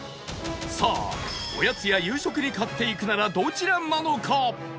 さあおやつや夕食に買っていくならどちらなのか？